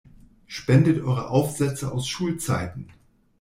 Spendet eure Aufsätze aus Schulzeiten!